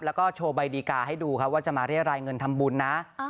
แล้วก็โชว์ใบดีกาให้ดูครับว่าจะมาเรียรายเงินทำบุญนะ